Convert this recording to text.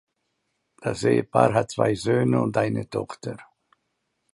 Das Ehepaar hat zwei Söhne und eine Tochter.